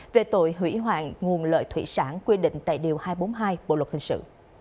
về tội hủy hoạn nguồn lợi thủy sản quy định tại điều hai trăm bốn mươi hai bộ luật hình sự